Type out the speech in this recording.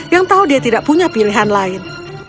yang tahu dia tidak punya pilihan lain